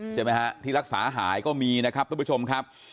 ใช่ไหมฮะที่รักษาหายก็มีนะครับทุกผู้ชมครับ